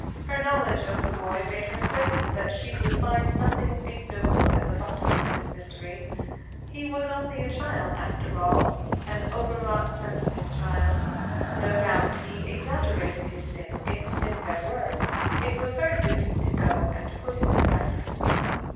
Her knowledge of the boy made her certain that she would find nothing ignoble at the bottom of his mystery. He was only a child, after all an overwrought, sensitive child. No doubt he exaggerated his sin, if sin there were. It was her duty to go and put him at rest.